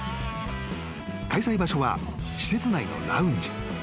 ［開催場所は施設内のラウンジ］